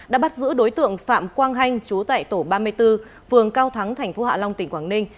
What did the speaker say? đã bắt giữ đối tượng phạm quang hanh chú tại tổ ba mươi bốn phường cao thắng thành phố hạ long tỉnh quảng ninh